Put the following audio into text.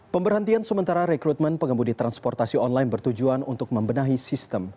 pemberhentian sementara rekrutmen pengemudi transportasi online bertujuan untuk membenahi sistem